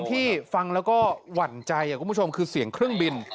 ที่ฟังแล้วก็หวั่นใจคุณผู้ชมคือเสียงเครื่องบิน